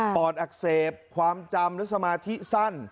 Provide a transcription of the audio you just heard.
อดอักเสบความจำและสมาธิสั้น